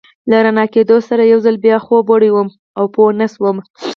له رڼا کېدو سره یو ځل بیا خوب وړی وم او پوه نه شوم.